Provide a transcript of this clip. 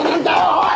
おい！